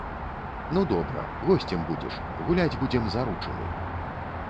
Ну добра, госцем будзеш, гуляць будзем заручыны.